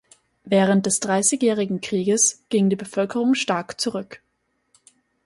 Während des Dreißigjährigen Krieges ging die Bevölkerung stark zurück.